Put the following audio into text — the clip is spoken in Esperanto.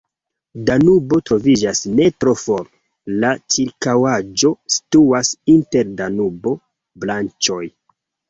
Danubo troviĝas ne tro for, la ĉirkaŭaĵo situas inter Danubo-branĉoj.